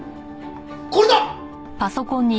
これだ！